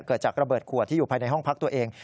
เกิดจากระเบิดขวดที่อยู่ภายในห้องพักตัวเอง